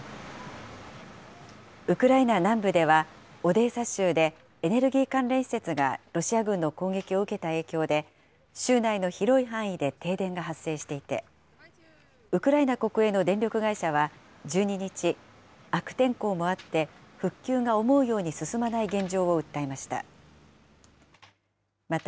ウクライナ南部では、オデーサ州でエネルギー関連施設がロシア軍の攻撃を受けた影響で、州内の広い範囲で停電が発生していて、ウクライナ国営の電力会社は１２日、悪天候もあって復旧が思うように進まない現状を訴えました。